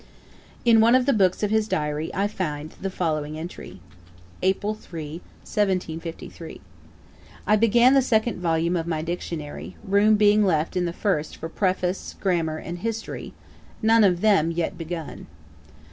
In one of the books of his diary I find the following entry: 'Apr. 3, 1753. I began the second vol. of my Dictionary, room being left in the first for Preface, Grammar, and History, none of them yet begun.